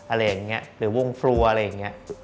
อะไรอย่างนี้หรือวงฟลัวอะไรอย่างนี้